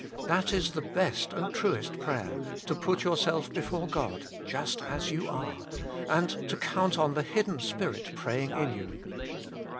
That is the best and truest prayer, to put yourself before God just as you are, and to count on the hidden Spirit praying in you.